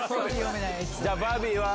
じゃあバービーは？